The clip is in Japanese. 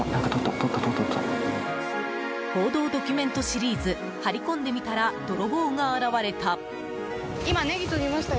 報道ドキュメントシリーズ張り込んでみたらドロボーが現れた。